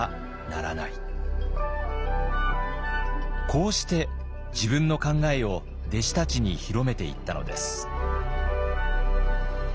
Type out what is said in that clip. こうして自分の考えを弟子たちに広めていったのです。